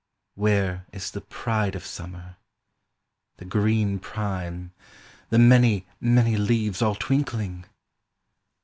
Where is the pride of Summer, the green prime, The many, many leaves all twinkling?